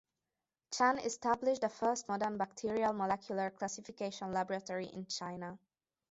Chen established the first modern bacterial molecular classification laboratory in China.